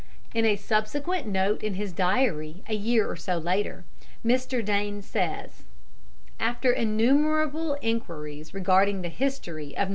In a subsequent note in his diary a year or so later Mr. Dane says: "After innumerable enquiries re the history of No.